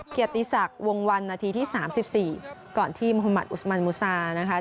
เกียรติศักดิ์วงวันหน้าทีที่สามสิบสี่ก่อนที่มหมาตรอุสมันบุษานะคะ